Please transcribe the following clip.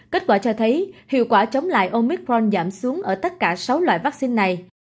kết quả cho thấy hiệu quả chống lại omitron giảm xuống ở tất cả sáu loại vaccine này